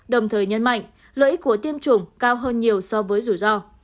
đồng thời nhấn mạnh lợi ích của tiêm chủng cao hơn nhiều so với rủi ro